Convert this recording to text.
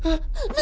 何？